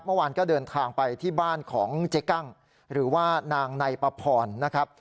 เมื่อวานก็เดินทางไปที่บ้านของเจ๊กั้งหรือว่านางในปะพรนะครับ